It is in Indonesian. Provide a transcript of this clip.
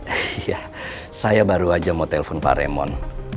eh iya saya baru aja mau telepon pak remon